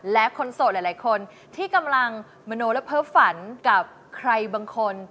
และคนโสดหลายคนที่กำลังมโนและเพ้อฝันกับใครบางคน